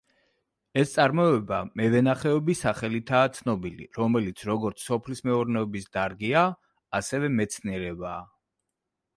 ეს წარმოება მევენახეობის სახელითაა ცნობილი, რომელიც როგორც სოფლის მეურნეობის დარგია, ასევე მეცნიერებაა.